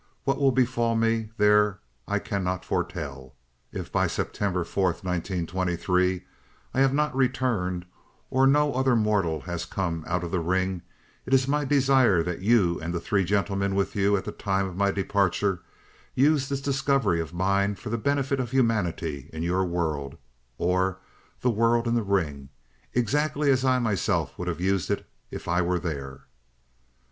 What will befall me there I cannot foretell. If by September 4th, 1923, I have not returned, or no other mortal has come out of the ring, it is my desire that you and the three gentlemen with you at the time of my departure, use this discovery of mine for the benefit of humanity in your world, or the world in the ring, exactly as I myself would have used it were I there.